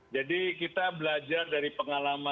jadi kita belajar dari pengalaman